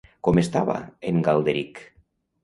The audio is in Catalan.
Com estava en Galderic?